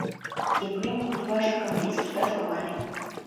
Епрем куд важыкым висыш да шогале.